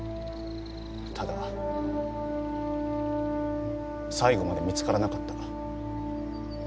ただ、最後まで見つからなかった。